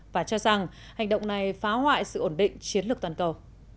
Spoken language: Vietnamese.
và cho rằng hành động này phá hoại sự ổn định chiến lược toàn cầu